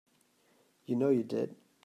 You know you did.